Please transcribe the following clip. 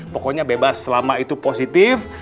pokoknya bebas selama itu positif